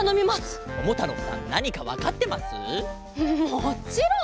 もっちろん！